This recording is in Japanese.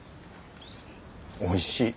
おいしい。